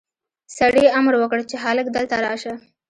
سړي امر وکړ چې هلک دلته راشه.